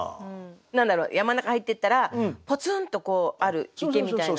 何だろう山の中入ってったらポツンとある池みたいな。